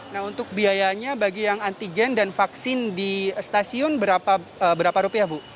nah untuk biayanya bagi yang antigen dan vaksin di stasiun berapa rupiah bu